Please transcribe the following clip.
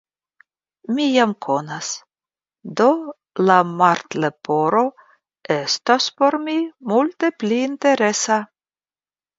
mi jam konas; do la Martleporo estos por mi multe pli interesa.